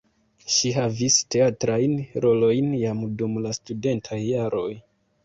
Ŝi havis teatrajn rolojn jam dum la studentaj jaroj.